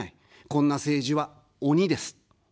こんな政治は鬼です。